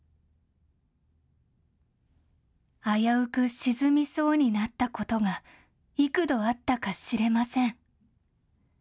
危うく沈みそうになったことが幾度あったかしれません。